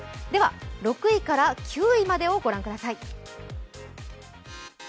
６位から９位までを御覧ください。